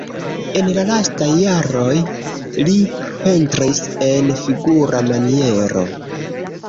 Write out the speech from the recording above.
En la lastaj jaroj li pentris en figura maniero.